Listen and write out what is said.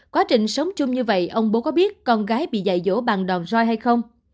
quá trình sống chung như vậy ông bố có biết con gái bị dạy dỗ bằng đòn roi hay không